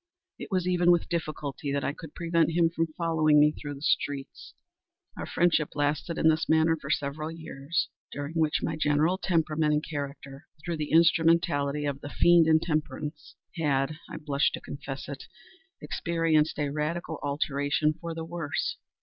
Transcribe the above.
It was even with difficulty that I could prevent him from following me through the streets. Our friendship lasted, in this manner, for several years, during which my general temperament and character—through the instrumentality of the Fiend Intemperance—had (I blush to confess it) experienced a radical alteration for the worse.